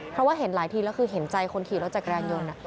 เพราะว่าเห็นหลายทีแล้วคือเห็นใจคนขี่รถจักรยานยนต์